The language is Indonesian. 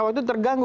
waktu itu terganggu